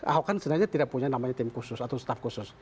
ahok kan sebenarnya tidak punya namanya tim khusus atau staf khusus